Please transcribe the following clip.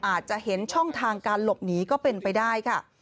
อาจจะเห็นช่องทางการหลบหนีก็เป็นไปได้ค่ะ